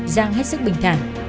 giang hết sức bình thản